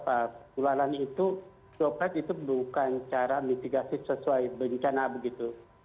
penularan itu droplet itu bukan cara mitigasi sesuai bencana begitu